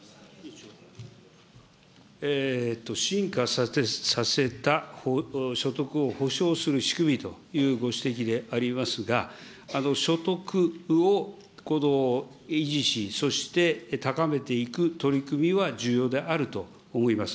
進化させた所得をほしょうする仕組みというご指摘でありますが、所得を維持し、そして、高めていく取り組みは重要であると思います。